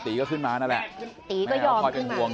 ตียยกมือให้พี่เห็นหน่อย